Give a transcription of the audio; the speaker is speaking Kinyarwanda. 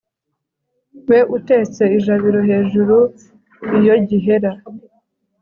we utetse ijabiro hejuru iyo gihera